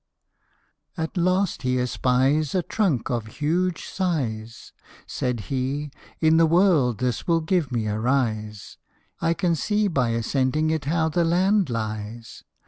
At last he espies A trunk of huge size ; Said he, '' In the world this will give me a rise I can see by ascending it how the land lies."